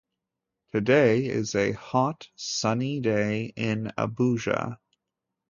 Today is a hot sunny day in Abuja